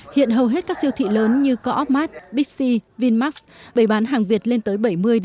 hiện hầu hết các siêu thị lớn như coopmart bixi vinmax bày bán hàng việt lên tới bảy mươi chín mươi